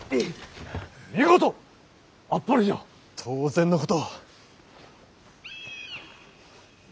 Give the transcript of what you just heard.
当然のこと。